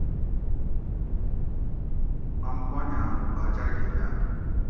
آم پنج آمو باچاۤ کہ گاۤ